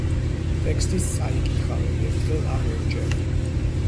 ტექსტი წაიკითხავენ ერთხელ, ან ორჯერ.